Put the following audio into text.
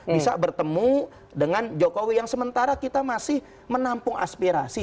bisa bertemu dengan jokowi yang sementara kita masih menampung aspirasi